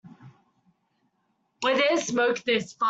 Where there's smoke there's fire.